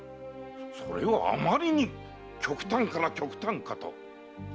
それはあまりにも極端から極端かと。